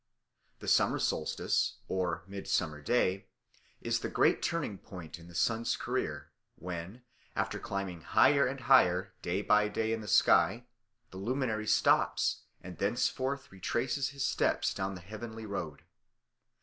The summer solstice, or Midsummer Day, is the great turning point in the sun's career, when, after climbing higher and higher day by day in the sky, the luminary stops and thenceforth retraces his steps down the heavenly road.